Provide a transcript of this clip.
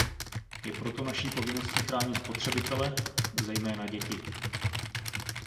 Je proto naší povinností chránit spotřebitele, zejména děti.